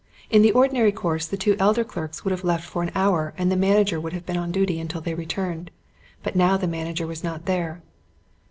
In the ordinary course the two elder clerks would have left for an hour and the manager would have been on duty until they returned. But now the manager was not there.